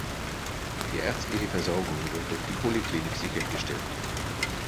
Die ärztliche Versorgung wird durch die Poliklinik sichergestellt.